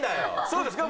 そうですか